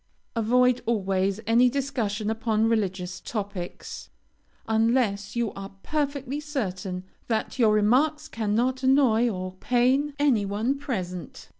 Avoid always any discussion upon religious topics, unless you are perfectly certain that your remarks cannot annoy or pain any one present.